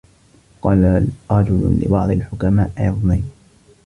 وَقَالَ رَجُلٌ لِبَعْضِ الْحُكَمَاءِ عِظْنِي